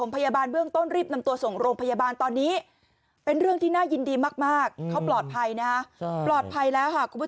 เป็นเรื่องที่น่ายินดีมากเขาปลอดภัยนะปลอดภัยแล้วคุณผู้